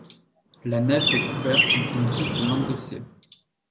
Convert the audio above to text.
La nef est couverte d’une voûte lambrissée.